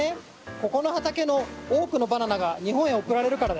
ここの畑の多くのバナナが日本へ送られるからだよ。